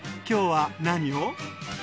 今日は何を？